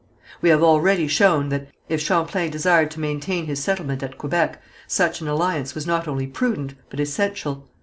We have already shown that if Champlain desired to maintain his settlement at Quebec, such an alliance was not only prudent, but essential.